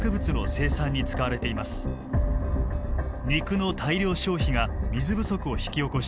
肉の大量消費が水不足を引き起こし